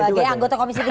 sebagai anggota komisi tiga